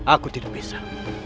aku tidak bisa